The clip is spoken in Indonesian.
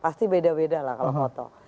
pasti beda beda lah kalau foto